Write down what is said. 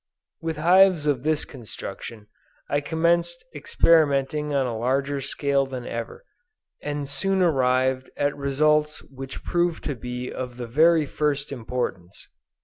With hives of this construction I commenced experimenting on a larger scale than ever, and soon arrived at results which proved to be of the very first importance.